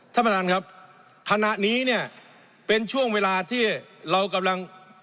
ท่านประธานครับขณะนี้เนี่ยเป็นช่วงเวลาที่เรากำลัง